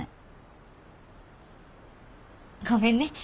ごめんね。